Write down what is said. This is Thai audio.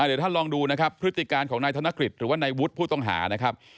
เดี๋ยวท่านลองดูนะครับพฤติการของนายธนกฤษหรือว่านายวุฒิผู้ต้องหานะครับ